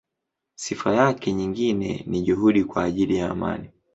Sifa yake nyingine ni juhudi kwa ajili ya amani.